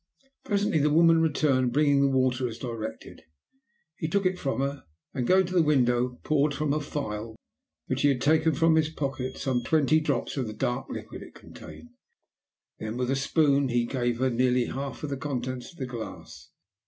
Presently the woman returned, bringing the water as directed. He took it from her, and going to the window poured from a phial, which he had taken from his pocket, some twenty drops of the dark liquid it contained. Then with a spoon he gave her nearly half of the contents of the glass.